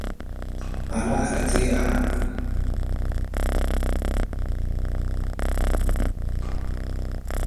Unfortunately, Jackson was retiring and sold his operation to crew chief Andy Petree.